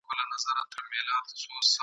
پرون مازیګر ناوخته ..